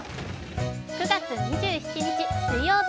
９月２７日水曜日。